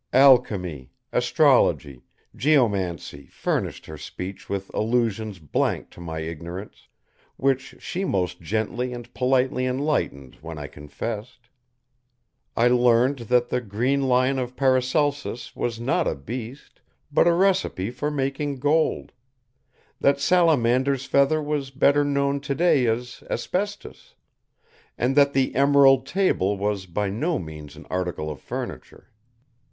Alchemy, astrology, geomancy furnished her speech with allusions blank to my ignorance; which she most gently and politely enlightened when I confessed. I learned that the Green Lion of Paracelsus was not a beast, but a recipe for making gold; that Salamandar's Feather was better known today as asbestos; and that the Emerald Table was by no means an article of furniture.